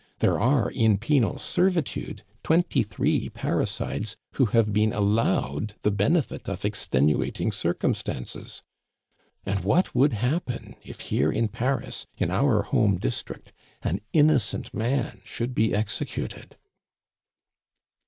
[There are in penal servitude twenty three parricides who have been allowed the benefit of extenuating circumstances.] And what would happen if here in Paris, in our home district, an innocent man should be executed!"